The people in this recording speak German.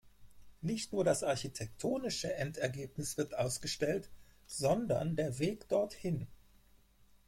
Nicht nur das architektonische Endergebnis wird ausgestellt, sondern der Weg dorthin.